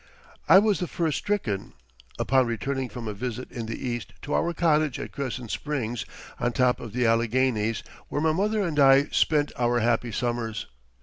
I was the first stricken, upon returning from a visit in the East to our cottage at Cresson Springs on top of the Alleghanies where my mother and I spent our happy summers.